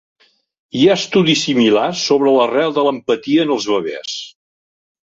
Hi ha estudis similars sobre l'arrel de l'empatia en els bebès.